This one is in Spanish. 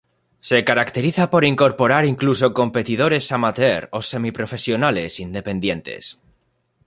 Se caracteriza por incorporar incluso competidores amateur o semi-profesionales independientes.